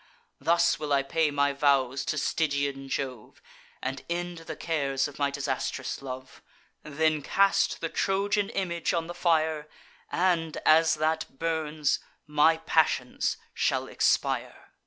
Thus will I pay my vows to Stygian Jove, And end the cares of my disastrous love; Then cast the Trojan image on the fire, And, as that burns, my passions shall expire."